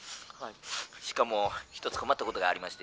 しかも一つ困ったことがありまして」。